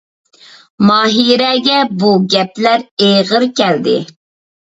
ماھىرەگە بۇ گەپلەر ئېغىر كەلدى.